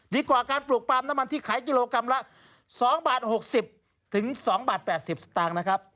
ดีกว่าการปลูกปลามน้ำมันที่ขายกิโลกรัมละ๒บาท๖๐๒บาท๘๐สตางค์นะครับ